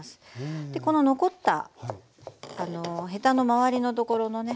でこの残ったヘタの周りのところのね